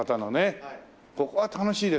ここは楽しいですよね。